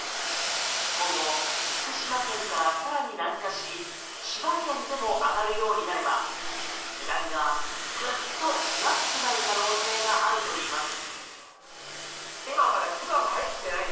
今後、福島県から更に南下し千葉県でも揚がるようになれば値段がぐっと安くなる可能性があるといいます。